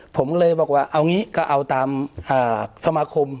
ผมก็เลยบอกว่าเอางี้ก็เอาตามสมาคม